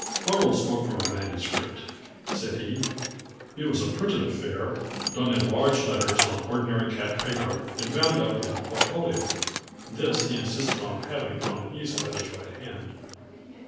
"Arnold spoke from a manuscript," said he. "It was a printed affair, done in large letters on ordinary cap paper, and bound up in a portfolio. This he insisted on having on an easel at his right hand.